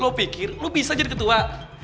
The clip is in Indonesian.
lo pikir lo bisa jadi ketua